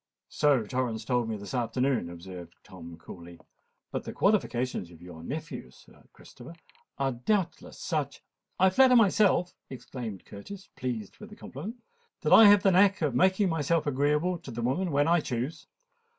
"So Torrens told me this afternoon," observed Tom coolly. "But the qualifications of your nephew, Sir Christopher, are doubtless such——" "I flatter myself," exclaimed Curtis, pleased with this compliment, "that I have the knack of making myself agreeable to the women when I choose.